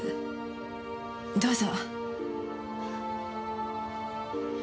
どうぞ。